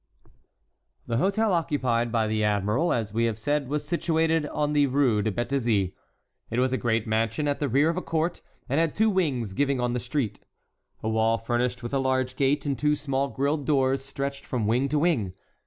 The hôtel occupied by the admiral, as we have said, was situated in the Rue de Béthizy. It was a great mansion at the rear of a court and had two wings giving on the street. A wall furnished with a large gate and two small grilled doors stretched from wing to wing.